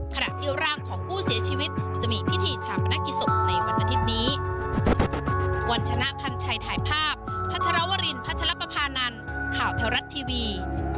ขณะที่ร่างของผู้เสียชีวิตจะมีพิธีชาปนกิจศพในวันอาทิตย์นี้